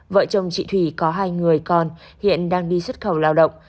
vợ chồng chị thủy có hai người con hiện đang đi xuất khẩu lao động